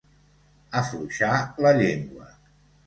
Afluixar la llengua.